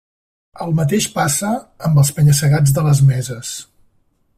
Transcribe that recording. El mateix passa amb els penya-segats de les meses.